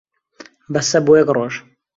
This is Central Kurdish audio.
بەسە بۆ یەک ڕۆژ.